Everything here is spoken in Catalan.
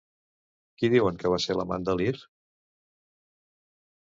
Qui diuen que va ser l'amant de Lir?